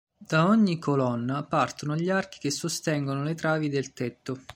Da ogni colonna partono gli archi che sostengono le travi del tetto.